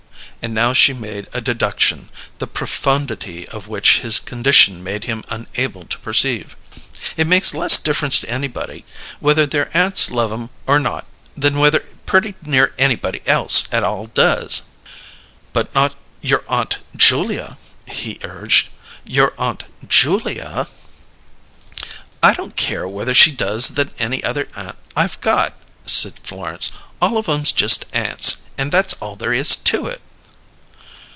And now she made a deduction, the profundity of which his condition made him unable to perceive. "It makes less difference to anybody whether their aunts love 'em or not than whether pretty near anybody else at all does." "But not your Aunt Julia" he urged. "Your Aunt Julia " "I don't care whether she does than any other aunt I got," said Florence. "All of 'em's just aunts, and that's all there is to it."